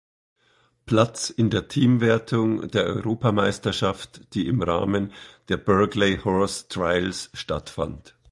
Platz in der Teamwertung der Europameisterschaft, die im Rahmen der Burghley Horse Trials stattfand.